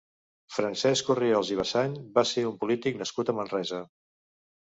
Francesc Orriols i Basany va ser un polític nascut a Manresa.